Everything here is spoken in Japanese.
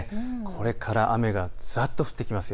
これから雨がざっと降ってきます。